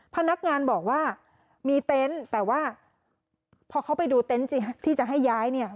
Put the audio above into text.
พนักงานบอกว่ามีเต็นต์แต่ว่าพอเขาไปดูเต็นต์สิที่จะให้ย้ายเนี่ย